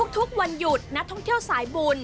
ทุกวันหยุดนักท่องเที่ยวสายบุญ